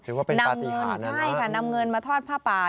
ถือว่าเป็นปฏิหารนะนะใช่ค่ะนำเงินมาทอดผ้าปลา